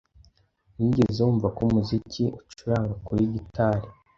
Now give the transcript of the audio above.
Wigeze wumva ko umuziki ucuranga kuri gitari?